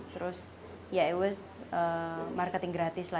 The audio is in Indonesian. terus ya itu marketing gratis lah ya